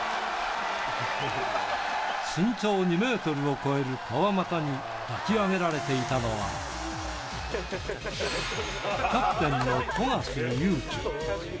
身長２メートルを超える川真田に抱き上げられていたのは、キャプテンの富樫勇樹。